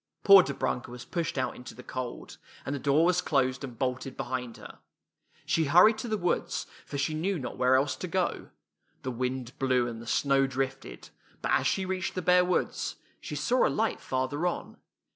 " Poor Dobrunka was pushed out into the cold, and the door was closed and bolted behind her. She hurried to the woods, for she knew not where else to go. The wind blew and the snow drifted, but as she reached the bare woods, she saw a light farther on.